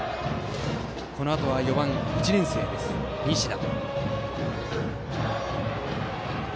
このあとは４番の１年生、西田。